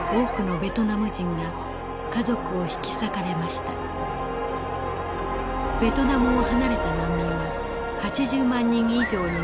ベトナムを離れた難民は８０万人以上に上ります。